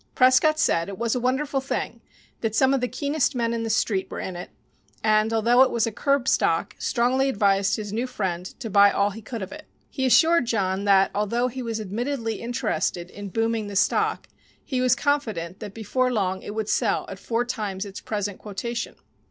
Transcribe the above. Prescott said it was a wonderful thing that some of the keenest men in the Street were in it, and, although it was a curb stock, strongly advised his new friend to buy all he could of it. He assured John that, although he was admittedly interested in booming the stock, he was confident that before long it would sell at four times its present quotation.